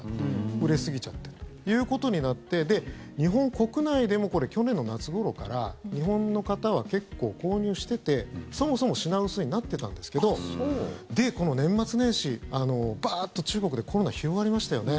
売れすぎちゃってということになって日本国内でもこれ、去年の夏ごろから日本の方は結構購入しててそもそも品薄になってたんですがこの年末年始、バーッと中国でコロナ広がりましたよね。